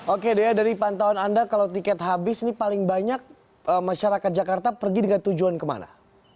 oke dea dari pantauan anda kalau tiket habis ini paling banyak masyarakat jakarta pergi dengan tujuan kemana